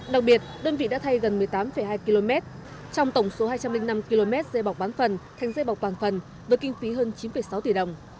đặc biệt đơn vị đã thay gần một mươi tám hai km trong tổng số hai trăm linh năm km dây bọc bán phần thành dây bọc toàn phần với kinh phí hơn chín sáu tỷ đồng